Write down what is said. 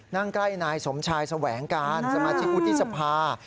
นั่งใกล้นายสมชายแสวงการสมาชิกวุฒิสภา